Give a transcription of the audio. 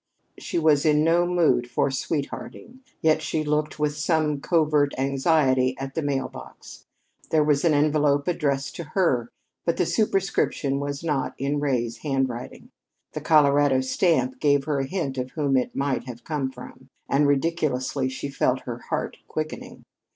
She was in no mood for sweethearting, yet she looked with some covert anxiety at the mail box. There was an envelope addressed to her, but the superscription was not in Ray's handwriting. The Colorado stamp gave her a hint of whom it might have come from, and ridiculously she felt her heart quickening.